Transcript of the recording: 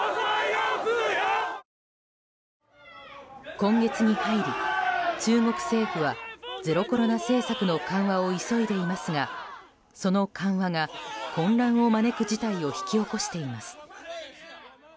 今月に入り、中国政府はゼロコロナ政策の緩和を急いでいますがその緩和が混乱を招く事態を引き起こしています。